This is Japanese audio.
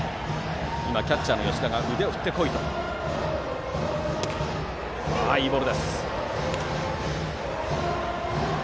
キャッチャーの吉田は腕を振ってこいというジェスチャー。